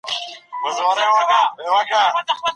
موږ باید خپله انرژي وساتو.